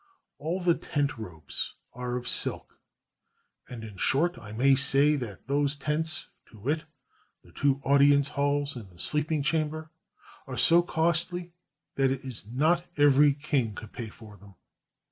All the tent ropes are of silk. And in short I may say that those tents, to wit, the two audience halls and the sleeping chamber, are so costly that it is not every king could pay for them.